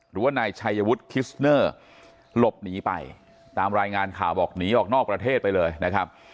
หรือว่านายชัยวุฒิคิสเนอร์หลบหนีไปตามรายงานข่าวบอกหนีออกนอกประเทศไปเลยนะครับ